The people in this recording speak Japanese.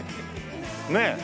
ねえ。